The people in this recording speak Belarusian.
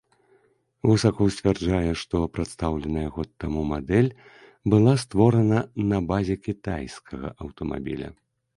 Гусакоў сцвярджае, што прадстаўленая год таму мадэль была створана на базе кітайскага аўтамабіля.